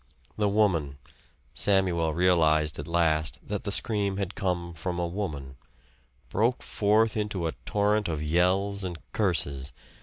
The woman Samuel realized at last that the scream had come from a woman broke forth into a torrent of yells and curses.